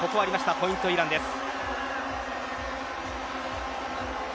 ポイント、イランです。